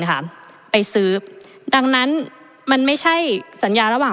ประเทศอื่นซื้อในราคาประเทศอื่น